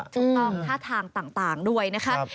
ต้องกล้องท่าทางต่างด้วยนะครับ